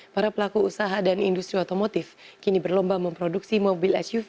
para pelaku usaha dan industri otomotif kini berlomba memproduksi mobil suv